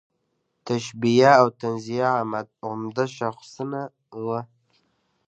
تشبیه او تنزیه عمده شاخصونه وو.